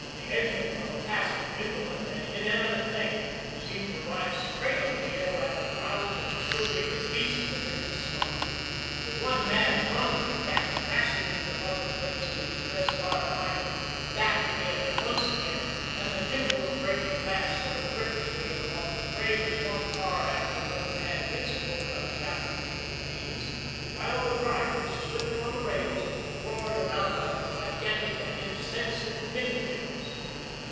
The engine, from a passive, indolent and inanimate thing, seemed to rise straight up in the air like an aroused and infuriated beast that had been stung. With one mad plunge it backed crashing into the buffer plates of the express car behind it, backed again, and once again, and the tinkle of breaking glass sort of ricochetted along the train as one car after another added its quota of shattered window panes, while the drivers, slipping on the rails, roared around like gigantic and insensate pinwheels.